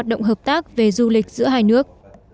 đại sứ cũng hợp tác về du lịch giữa hai nước